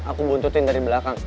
aku buntutin dari belakang